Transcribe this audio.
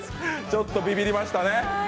ちょっとビビりましたね。